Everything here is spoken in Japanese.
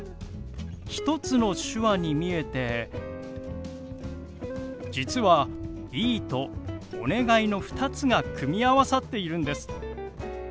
１つの手話に見えて実は「いい」と「お願い」の２つが組み合わさっているんです。